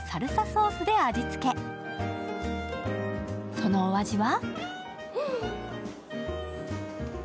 そのお味は？